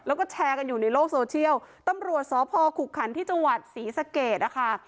แล้วก็แชร์กันอยู่ในโลกโซเชียลตำรวจสพขุกขันที่จังหวัดศรีสะเกดนะคะ